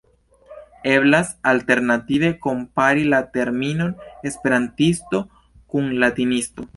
Eblas alternative kompari la terminon 'esperantisto' kun 'latinisto'.